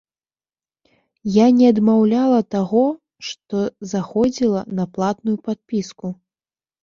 Я не адмаўляла таго, што заходзіла на платную падпіску.